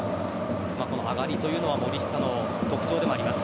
この上がりというのは森下の特徴でもあります。